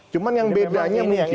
cuma yang bedanya mungkin